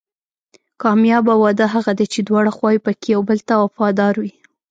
کامیابه واده هغه دی چې دواړه خواوې پکې یو بل ته وفادار وي.